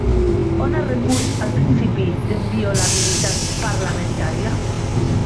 On es recull el principi d'inviolabilitat parlamentària?